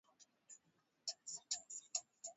inadhibitisha kwamba waafrika walio